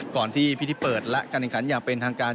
ก่อนที่พิธีเปิดและการแข่งขันอย่างเป็นทางการ